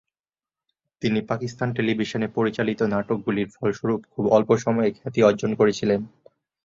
তিনি পাকিস্তান টেলিভিশনে পরিচালিত নাটকগুলির ফলস্বরূপ খুব অল্প সময়ে খ্যাতি অর্জন করেছিলেন।